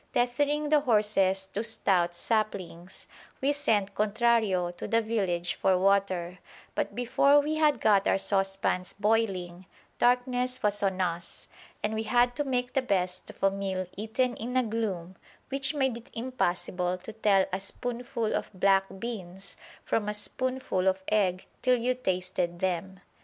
Tethering the horses to stout saplings, we sent Contrario to the village for water; but before we had got our saucepans boiling, darkness was on us, and we had to make the best of a meal eaten in a gloom which made it impossible to tell a spoonful of black beans from a spoonful of egg till you tasted them.